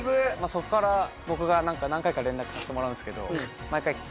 そこから僕が何回か連絡させてもらうんですけど